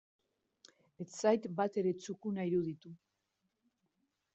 Ez zait batere txukuna iruditu.